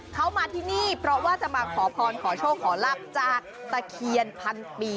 เขามาที่นี่เพราะว่าจะมาขอพรขอโชคขอลาบจากตะเคียนพันปี